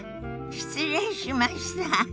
失礼しました。